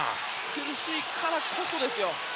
苦しいからこそですよ。